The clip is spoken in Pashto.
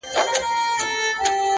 o اورته خپل او پردي يو دي٫